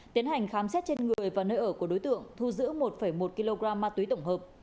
tiến hành khám xét trên người và nơi ở của đối tượng thu giữ một một kg ma túy tổng hợp